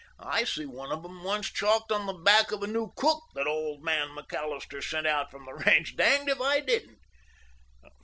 I see one of 'em once chalked on the back of a new cook that old man McAllister sent out from the ranch—danged if I didn't."